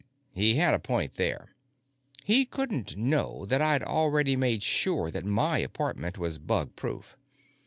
He had a point there. He couldn't know that I'd already made sure that my apartment was bug proof.